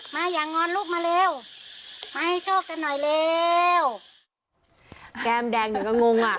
มาอย่างงอนลูกมาเร็วมาให้โชคกันหน่อยเร็วแก้มแดงเดี๋ยวก็งงอ่ะ